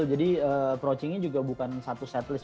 jadi approachingnya juga bukan satu set list